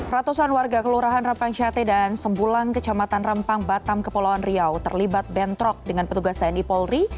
ratusan warga kelurahan rempang syate dan sembulang kecamatan rempang batam kepulauan riau terlibat bentrok dengan petugas tni polri